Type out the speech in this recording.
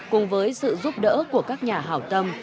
cùng với sự giúp đỡ của các nhà hảo tâm